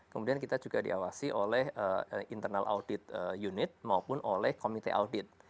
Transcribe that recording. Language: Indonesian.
kemudian kita juga diawasi oleh internal audit unit maupun oleh komite audit